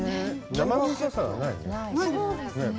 生臭さがないね。